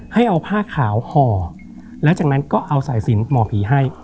ให้เอาผ้าขาวห่อแล้วจากนั้นก็เอาสายสินหมอผีให้